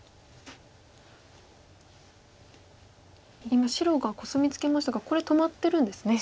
今白がコスミツケましたがこれ止まってるんですね。